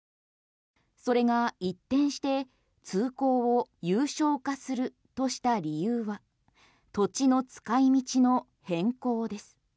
それが一転して通行を有償化するとした理由は土地の使い道の変更です。